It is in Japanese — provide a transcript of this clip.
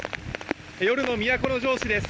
夜の都城市です。